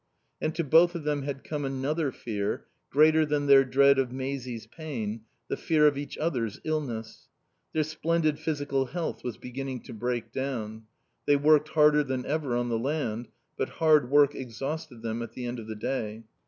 And to both of them had come another fear, greater than their dread of Maisie's pain, the fear of each other's illness. Their splendid physical health was beginning to break down. They worked harder than ever on the land; but hard work exhausted them at the end of the day.